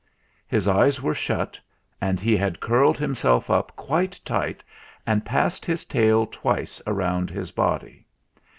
His eyes were shut and he had curled himself up quite tight and passed his tail twice round his body.